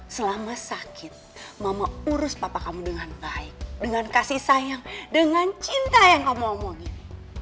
selama sakit mama urus papa kamu dengan baik dengan kasih sayang dengan cinta yang kamu omongin